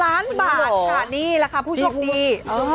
๑๒ล้านบาทค่ะนี่ราคาผู้โชคดี